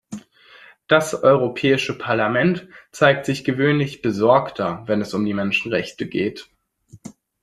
Das Europäische Parlament zeigt sich gewöhnlich besorgter, wenn es um die Menschenrechte geht.